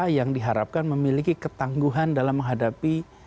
yang diharapkan memiliki ketangguhan dalam menghadapi